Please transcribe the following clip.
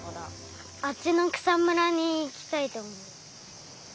あっちのくさむらにいきたいとおもいます。